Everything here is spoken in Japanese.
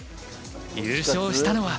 優勝したのは。